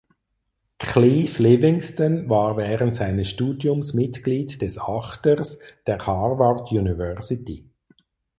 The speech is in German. Cleve Livingston war während seines Studiums Mitglied des Achters der Harvard University.